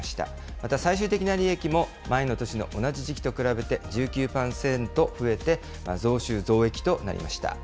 また最終的な利益も、前の年の同じ時期と比べて１９％増えて、増収増益となりました。